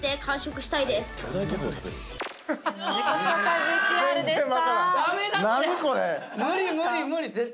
自己紹介ＶＴＲでした。